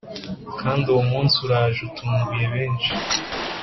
kandi uwo munsi uraje utunguye benshi